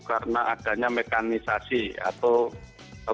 karena adanya mekanisasi atau